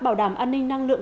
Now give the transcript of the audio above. bảo đảm an ninh năng lượng